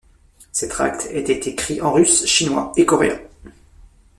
Ces tracts étaient écrits en russe, chinois et coréen.